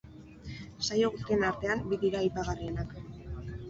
Saio guztien artean bi dira aipagarrienak.